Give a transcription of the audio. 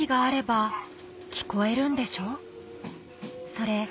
それ